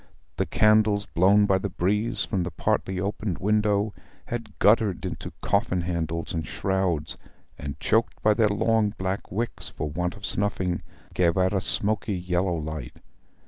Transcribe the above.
The candles, blown by the breeze from the partly opened window, had guttered into coffin handles and shrouds, and, choked by their long black wicks for want of snuffing, gave out a smoky yellow light.